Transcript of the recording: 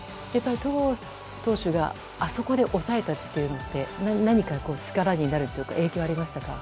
戸郷投手があそこで抑えたのって何か力になるというか影響はありましたか？